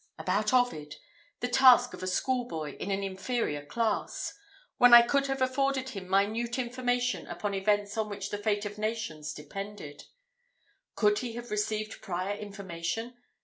about Ovid the task of a school boy in an inferior class when I could have afforded him minute information upon events on which the fate of nations depended. Could he have received prior information?